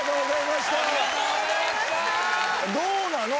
どうなの？